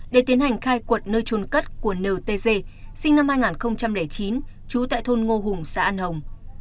để tiến hành khai quật nơi trôn cất của nờ tg sinh năm hai nghìn chín chú tại thôn ngô hùng xã an hồng